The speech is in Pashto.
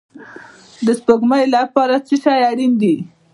د سپوږمۍ لپاره څه شی اړین دی؟